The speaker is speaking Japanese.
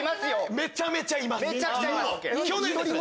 めちゃめちゃいます！